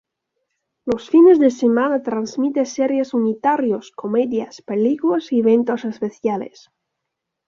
Los fines de semana transmite series unitarios, comedias, películas y eventos especiales.